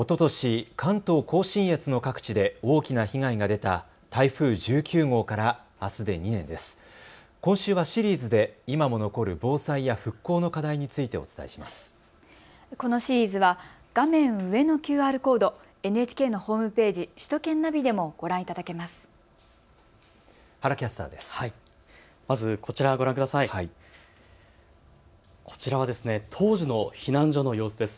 このシリーズは画面上のＱＲコード、ＮＨＫのホームページ、首都圏ナビでもご覧いただけます。